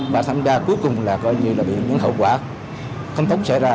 và tham gia cuối cùng là coi như là bị những hậu quả không tốt xảy ra